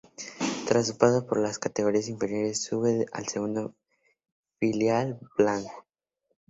Tras su paso por las categorías inferiores, sube al segundo filial blanco.